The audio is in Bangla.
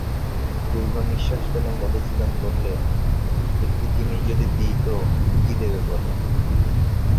দীর্ঘনিশ্বাস ফেলে মধুসূদন বললে, একটি জিনিস যদি দিই তো কী দেবে বলো।